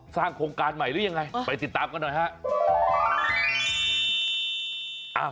สร้างโครงการใหม่หรือยังไงไปติดตามกันหน่อยฮะ